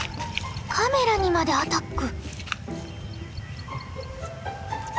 カメラにまでアタック。